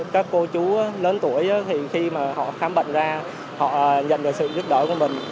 các cô chú lớn tuổi khi mà họ khám bệnh ra họ nhận được sự giúp đỡ của mình